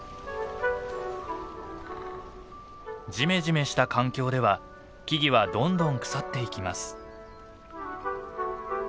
ジメジメした環境では木々はどんどん腐っていきます。